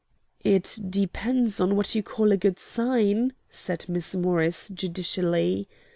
"It depends on what you call a 'good sign,'" said Miss Morris, judicially.